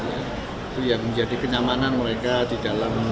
itu yang menjadi kenyamanan mereka di dalam